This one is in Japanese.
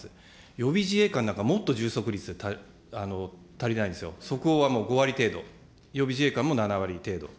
予備自衛官なんか、もっと充足率足りないんですよ、そこは５割程度、予備自衛官も７割程度。